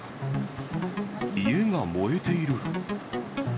家が燃えている。